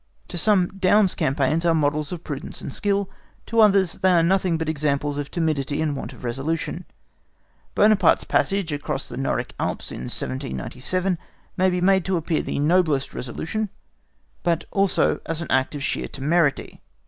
To some Daun's campaigns are models of prudence and skill. To others, they are nothing but examples of timidity and want of resolution. Buonaparte's passage across the Noric Alps in 1797 may be made to appear the noblest resolution, but also as an act of sheer temerity.